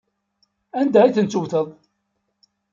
Anda ay tent-tewteḍ?